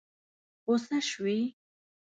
غوسه شوې؟